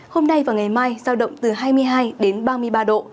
hôm nay và ngày mai giao động từ hai mươi hai ba mươi ba độ